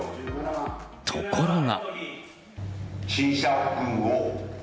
ところが。